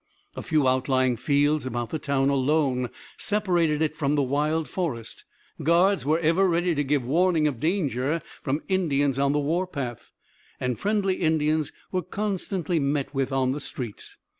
A few outlying fields about the town alone separated it from the wild forest; guards were ever ready to give warning of danger from Indians on the war path, and friendly Indians were constantly met with on the streets.